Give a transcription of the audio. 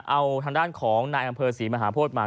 เอาทางด้านของนายอำเภอศรีมหาโพธิมา